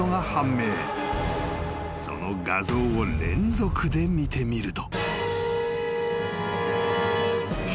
［その画像を連続で見てみると］